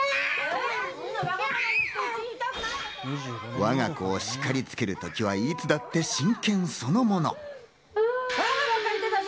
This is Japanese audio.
我が子をしかりつけるときはいつだって真剣そのもの。